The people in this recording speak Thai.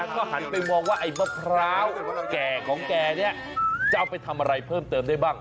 ก็หันไปมองว่าไอ้มะพร้าวแก่ของแกเนี่ยจะเอาไปทำอะไรเพิ่มเติมได้บ้าง